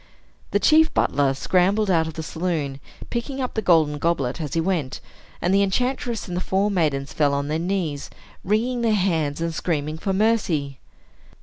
The chief butler scrambled out of the saloon, picking up the golden goblet as he went; and the enchantress and the four maidens fell on their knees, wringing their hands, and screaming for mercy.